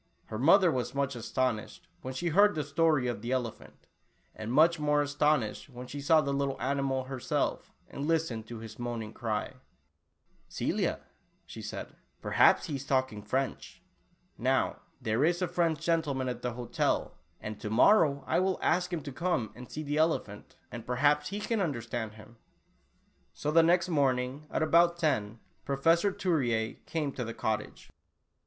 Her mother was much as tonished, when she heard the story of the elephant, and much more astonished when she saw the little animal herself, and listened to his moaning cry. Tula Oolah. 49 "Celia," said she, ''perhaps he is talking French. Now, there is a French gentleman at the hotel, and to morrow I will ask him to come and see the elephant, and perhaps he can understand him." So the next morning at about ten Professor Turier came to the cottage.